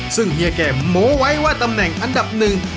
ซึ่งเฮียแก่หมูไว้ว่าตำแหน่งอันดับหนึ่ง